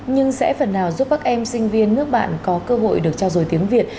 nhưng sẽ phần nào giúp các em sinh viên nước bạn có cơ hội được trao dồi tiếng việt